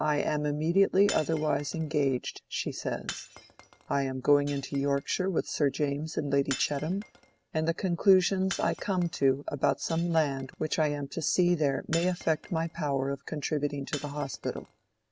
"'I am immediately otherwise engaged,' she says. 'I am going into Yorkshire with Sir James and Lady Chettam; and the conclusions I come to about some land which I am to see there may affect my power of contributing to the Hospital.